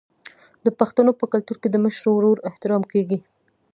د پښتنو په کلتور کې د مشر ورور احترام کیږي.